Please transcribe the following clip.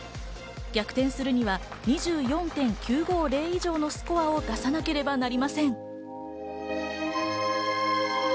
逆転するには２４．９５０以上のスコアを出さなければなりません。